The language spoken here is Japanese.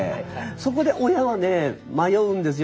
そこで親はね迷うんですよ